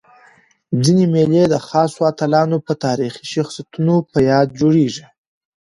ځيني مېلې د خاصو اتلانو یا تاریخي شخصیتونو په یاد جوړيږي.